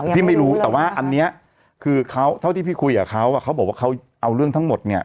ไม่รู้แต่ว่าอันนี้คือเขาเท่าที่พี่คุยกับเขาเขาบอกว่าเขาเอาเรื่องทั้งหมดเนี่ย